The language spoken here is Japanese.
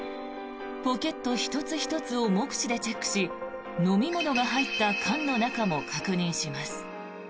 ポケット１つ１つを目視でチェックし飲み物が入った缶の中も確認します。